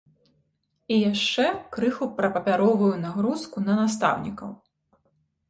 І яшчэ крыху пра папяровую нагрузку на настаўнікаў.